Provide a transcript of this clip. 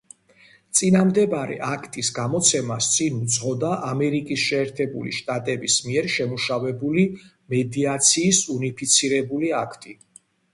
წინამდებარე აქტის გამოცემას წინ უძღოდა ამერიკის შეერთებული შტატების მიერ შემუშავებული „მედიაციის უნიფიცირებული აქტი“.